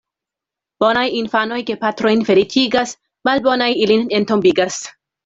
Bonaj infanoj gepatrojn feliĉigas, malbonaj ilin entombigas.